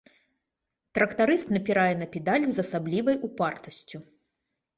Трактарыст напірае на педаль з асаблівай упартасцю.